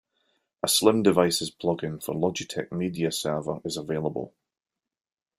A Slim Devices plugin for Logitech Media Server is available.